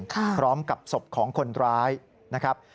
พร้อมกับศพของคนร้ายนะครับ